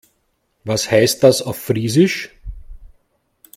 Was heißt das auf Friesisch?